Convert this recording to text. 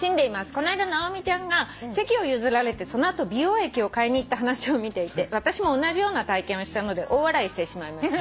「この間直美ちゃんが席を譲られてその後美容液を買いに行った話を見ていて私も同じような体験をしたので大笑いしてしまいました」